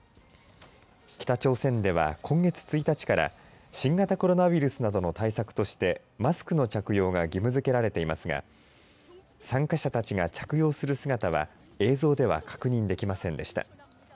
北朝鮮では今月１日から新型コロナウイルスなどの対策としてマスクの着用が義務づけられていますが参加者たちが着用する姿は映像では確認できませんでした。